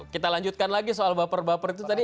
kita lanjutkan lagi soal baper baper itu tadi